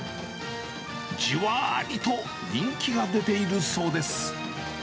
じわりと人気が出ているそうです。